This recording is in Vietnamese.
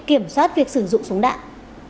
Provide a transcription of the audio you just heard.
kiểm soát việc sử dụng súng đạn